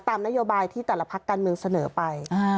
ตามนโยบายที่แต่ละพักการเมืองเสนอไป